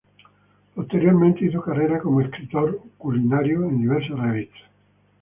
Posteriormente hizo carrera como escritor culinario en diversas revistas.